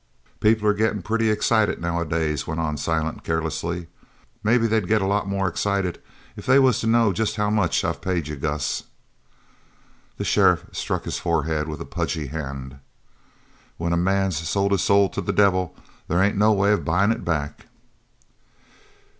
"People are gettin' pretty excited nowadays," went on Silent carelessly. "Maybe they'd get a lot more excited if they was to know jest how much I've paid you, Gus." The sheriff struck his forehead with a pudgy hand. "When a man's sold his soul to the devil they ain't no way of buyin' it back."